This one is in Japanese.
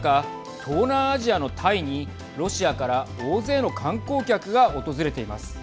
東南アジアのタイにロシアから大勢の観光客が訪れています。